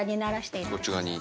こっち側に？